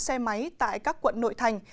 xe máy tại các quận nội thành